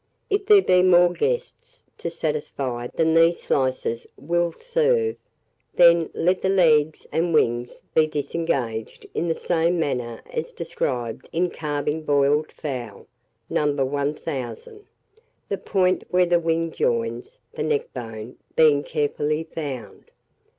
If there be more guests to satisfy than these slices will serve, then let the legs and wings be disengaged in the same manner as described in carving boiled fowl, No. 1000, the point where the wing joins the neckbone being carefully found.